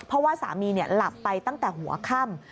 เพราะว่าสามีหลับไปตั้งแต่หัวค่ำ